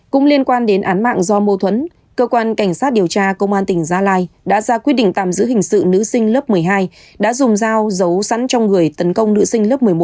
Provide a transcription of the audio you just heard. cũng liên quan đến án mạng do mô thuẫn cơ quan cảnh sát điều tra công an tỉnh gia lai đã ra quyết định tạm giữ hình sự nữ sinh lớp một mươi hai